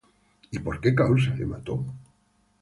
¿Y por qué causa le mató?